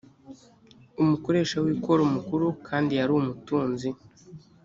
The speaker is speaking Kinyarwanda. umukoresha w’ikoro mukuru kandi yari umutunzi